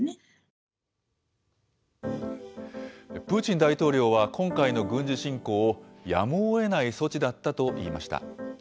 プーチン大統領は、今回の軍事侵攻を、やむをえない措置だったと言いました。